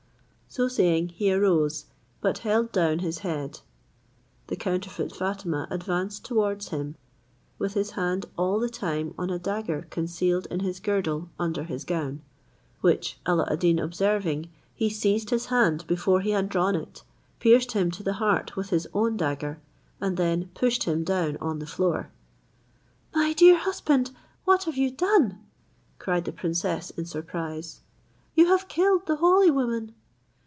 So saying, he arose, but held down his head. The counterfeit Fatima advanced towards him, with his hand all the time on a dagger concealed in his girdle under his gown; which Alla ad Deen observing, he seized his hand before he had drawn it, pierced him to the heart with his own dagger, and then pushed him down on the floor. "My dear husband, what have you done?" cried the princess in surprise. "You have killed the holy woman."